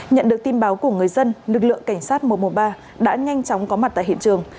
nhận được tin báo của người dân lực lượng cảnh sát một trăm một mươi ba đã nhanh chóng có mặt tại hiện trường